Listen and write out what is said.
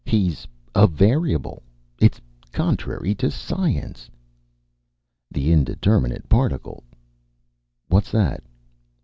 He's a variable. It's contrary to science." "The indeterminate particle." "What's that?"